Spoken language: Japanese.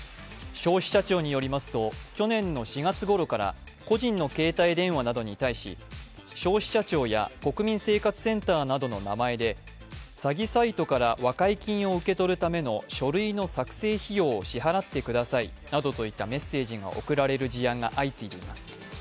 消費者庁によりますと去年の４月ごろから個人の携帯電話などに対し消費者庁や国民生活センターなどの名前で詐欺サイトから和解金を受け取るための書類の作成費用を支払ってくださいなどといったメッセージが送られる事案が相次いでいます。